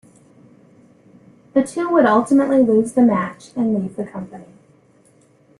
The two would ultimately lose the match and leave the company.